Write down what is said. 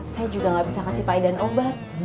saya juga gak bisa kasih pak idan obat